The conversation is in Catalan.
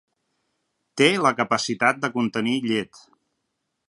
Té la capacitat de contenir llet.